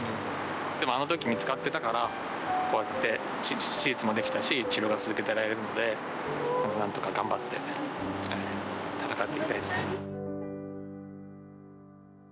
でも、あのとき見つかってたから、こうやって手術もできたし、治療が続けてられるので、まあなんとか頑張って、闘っていきたいですね。